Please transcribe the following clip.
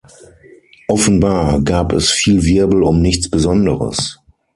Offenbar gab es viel Wirbel um nichts Besonderes.